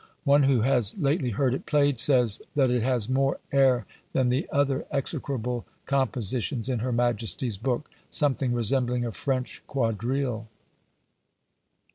One who has lately heard it played says, "that it has more air than the other execrable compositions in her Majesty's book, something resembling a French quadrille."